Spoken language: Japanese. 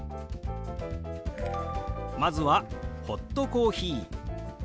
まずは「ホットコーヒー」。